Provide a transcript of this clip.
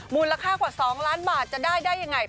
มูลค่ากว่า๒ล้านบาทจะได้ได้ยังไง